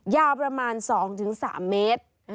ยาวประมาณ๒๓เมตร